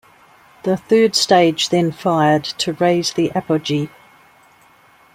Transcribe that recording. The third stage then fired to raise the apogee.